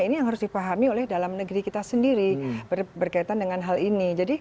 ini yang harus dipahami oleh dalam negeri kita sendiri berkaitan dengan hal ini